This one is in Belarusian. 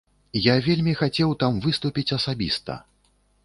І я вельмі хацеў там выступіць асабіста.